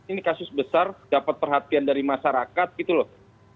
ini kasus besar dapat perhatian dari masyarakat gitu loh